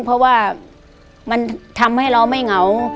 เพราะว่ามันทำให้เราไม่เหงา